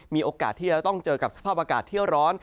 มีโอกาสที่จะต้องเจอกับสภาพอากาศเที่ยวร้อน